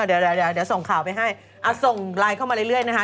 เดี๋ยวส่งข่าวไปให้ส่งไลน์เข้ามาเรื่อยนะคะ